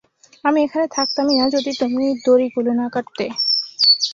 আমি এখানে থাকতামই না, যদি তুমি দড়িগুলো না কাটতে!